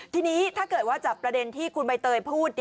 ทีนี้ถ้าเกิดว่าจากประเด็นที่คุณใบเตยพูด